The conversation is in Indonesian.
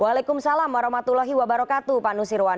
waalaikumsalam warahmatullahi wabarakatuh pak nusirwan